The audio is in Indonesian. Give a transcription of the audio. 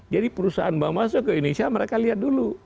jadi perusahaan baru masuk ke indonesia mereka lihat dulu